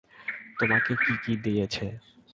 তোমাকে কী কী দিয়েছে?